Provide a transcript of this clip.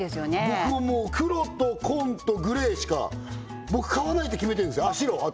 僕はもう黒と紺とグレーしか僕買わないって決めてんですああ